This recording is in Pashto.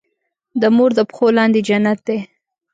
د مور د پښو لاندې جنت دی.